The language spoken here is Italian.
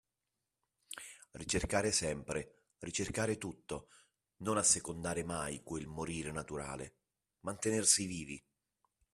Ricercare sempre, ricercare tutto, non assecondare mai quel morire naturale, mantenersi vivi.